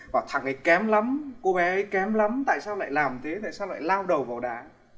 và thẳng ấy kém lắm cô bé kém lắm tại sao lại làm thế tại sao lại lao đầu vào đá